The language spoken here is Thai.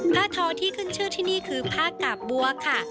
ทอที่ขึ้นชื่อที่นี่คือผ้ากาบบัวค่ะ